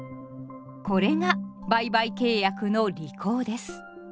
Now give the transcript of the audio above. これが売買契約の履行です。